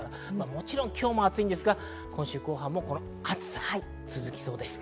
もちろん今日も暑いですが、今週後半も暑さ続きそうです。